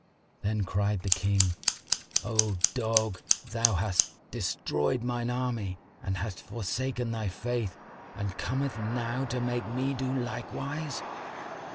Then cried the King, "O dog, thou hast destroyed mine army and hast forsaken thy faith and comest now to make me do likewise!"